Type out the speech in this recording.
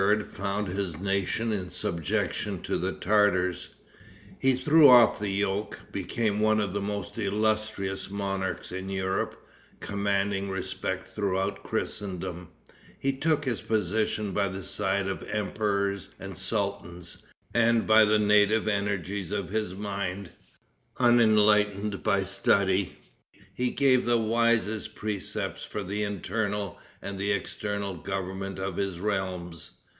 found his nation in subjection to the Tartars. He threw off the yoke; became one of the most illustrious monarchs in Europe, commanding respect throughout Christendom; he took his position by the side of emperors and sultans, and by the native energies of his mind, unenlightened by study, he gave the wisest precepts for the internal and the external government of his realms.